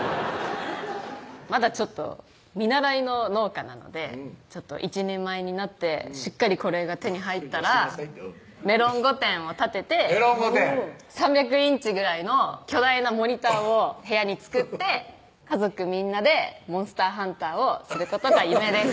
まだちょっと見習いの農家なので一人前になってしっかりこれが手に入ったらメロン御殿を建ててメロン御殿３００インチぐらいの巨大なモニターを部屋に作って家族みんなで「モンスターハンター」をすることが夢です